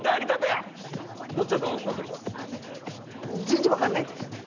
全然分かんないです。